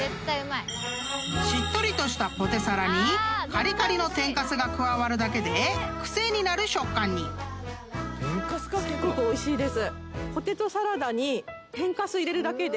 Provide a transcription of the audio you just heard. ［しっとりとしたポテサラにカリカリの天かすが加わるだけで癖になる食感に］になってると思います。